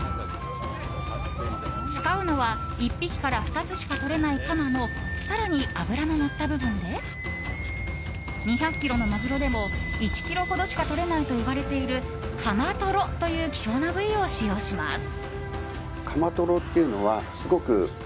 使うのは１匹から２つしか取れないカマの更に、脂ののった部分で２００ｋｇのマグロでも１ｋｇほどしか取れないといわれているカマトロという希少な部位を使用します。